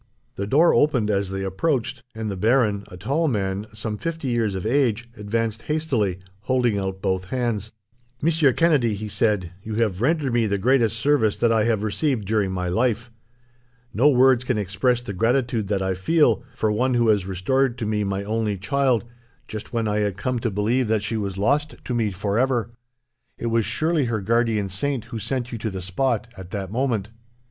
The door opened as they approached, and the baron, a tall man, some fifty years of age, advanced hastily, holding out both hands. "Monsieur Kennedy," he said, "you have rendered to me the greatest service that I have received during my life. No words can express the gratitude that I feel, for one who has restored to me my only child, just when I had come to believe that she was lost to me forever. It was surely her guardian saint who sent you to the spot, at that moment."